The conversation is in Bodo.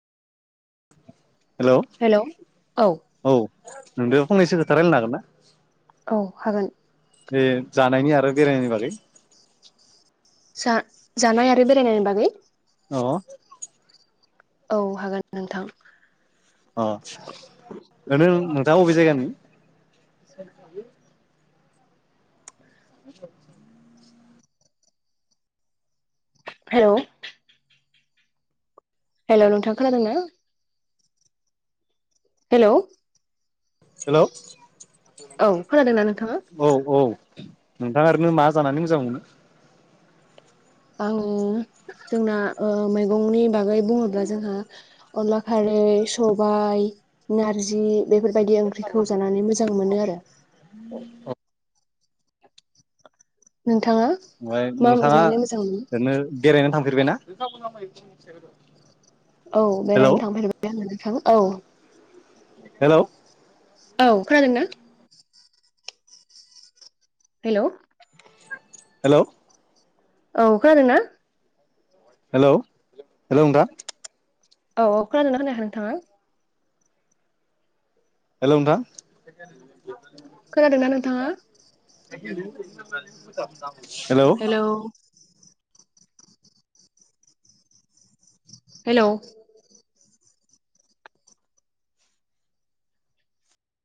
हेलौ औ नोंदो फंनैसो खोथा रायलायनो हागोन ना? औ हागोन। ए जानायनि आरो बेरायनायनि बागै सार जानाय आरो बेरायनायनि बागै अ औ हागोन नोंथां। अ ओरैनो नोंथाङा अबे जायगानि [unintelligible] आ हेलौ हेलौ नोंथां खोनादों ना? हेलौ हेलौ औ खोनादों नों औ औ ओम थां ओरैनो मा जानानै मोजां मोनो। औ ओम जोंना ओ मैगंनि बागै बुङोब्ला जोंहा अनला खारै सबाय नारजि बेफोर बायदि ओंख्रिखौ जानानै मोजां मोन आरो। औ ओम ओमफ्राय नोंथाङा ओरैनो बेरायनो थांफेरबायना? [unintelligible] औ हेलौ बेरायनो थांफेरबाय आं नोंथां। औ हेलौ औ खोनादोंना। हेलौ हेलौ औ खोनादों ना। हेलौ हेलौ नोंथां। औ औ खोनादों ना खोनायाखै नोंथाङा? हेलौ खोनादोंना नोंथाङा नोंथां। Hello hello hello